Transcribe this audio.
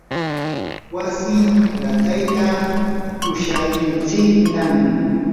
wasi qatayta usharuntsiknam.